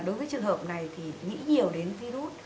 đối với trường hợp này thì nghĩ nhiều đến virus